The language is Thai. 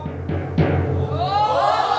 ถูก